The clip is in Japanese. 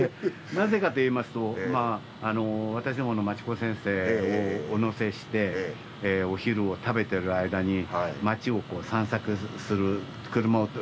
なぜかといいますと私どもの町子先生をお乗せしてお昼を食べてる間に街を散策する車をパーキングに止めて。